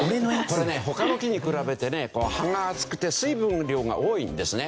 これね他の木に比べてね葉が厚くて水分量が多いんですね。